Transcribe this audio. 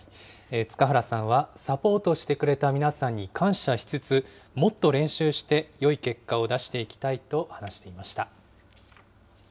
塚原さんはサポートしてくれた皆さんに感謝しつつ、もっと練習して、よい結果を出していきたいと話していました。